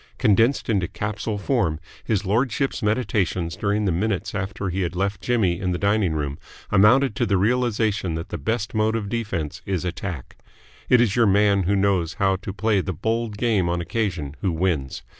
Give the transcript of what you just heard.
Condensed into capsule form, his lordship's meditations during the minutes after he had left Jimmy in the dining room amounted to the realisation that the best mode of defence is attack. It is your man who knows how to play the bold game on occasion who wins.